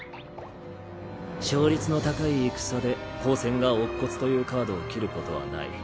勝率の高い戦で高専が乙骨というカードを切ることはない。